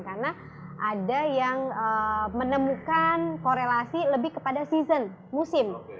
karena ada yang menemukan korelasi lebih kepada season musim